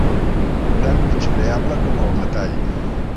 Tan menyspreable com el metall.